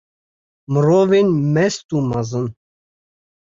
Mirovên mest û mezin!